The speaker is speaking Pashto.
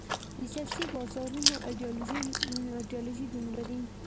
د سیاسي بازارونو ایډیالوژۍ دومره دي.